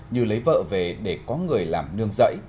như lấy vợ về để có người làm nương rẫy